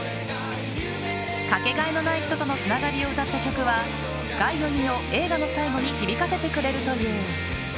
かけがえのない人とのつながりを歌った曲は深い余韻を映画の最後に響かせてくれるという。